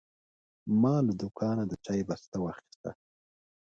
ما له دوکانه د چای بسته واخیسته.